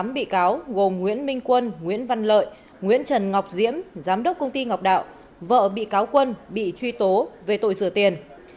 tám bị cáo gồm nguyễn minh quân nguyễn văn lợi nguyễn trần ngọc diễm giám đốc công ty ngọc đạo vợ bị cáo quân bị truy tố về tội rửa tiền